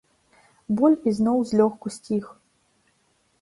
Боль ізноў злёгку сціх.